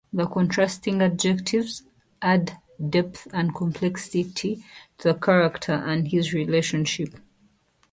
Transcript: The contrasting adjectives add depth and complexity to the character and his relationship.